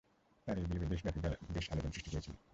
তার এই বিয়ে দেশব্যাপী বেশ আলোড়ন সৃষ্টি করেছিল।